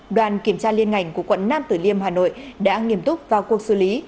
đoàn kiểm tra liên ngành của quận nam tử liêm hà nội đã nghiêm túc vào cuộc xử lý